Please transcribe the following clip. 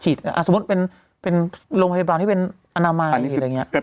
ฉีดสมมุติเป็นโรงพยาบาลที่เป็นอนามาอย่างนี้